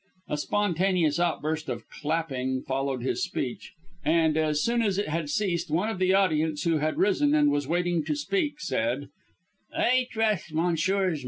A spontaneous outburst of clapping followed this speech, and as soon as it had ceased one of the audience who had risen and was waiting to speak, said: "I trust Messrs.